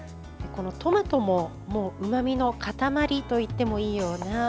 トマトもうまみの塊と言ってもいいような。